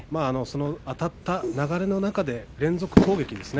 あたった流れの中で連続攻撃ですね